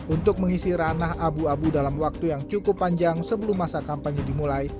untuk mengisi ranah abu abu dalam waktu yang cukup panjang sebelum masa kampanye dimulai